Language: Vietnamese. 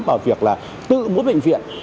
vào việc là tự mỗi bệnh viện